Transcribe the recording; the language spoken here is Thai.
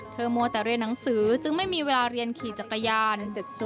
มัวแต่เรียนหนังสือจึงไม่มีเวลาเรียนขี่จักรยาน